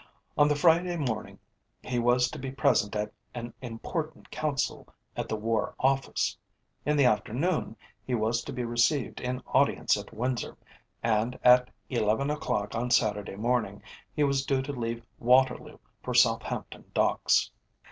On the Friday morning he was to be present at an important Council at the War Office; in the afternoon he was to be received in Audience at Windsor, and at eleven o'clock on Saturday morning he was due to leave Waterloo for Southampton Docks.